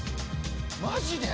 マジで！？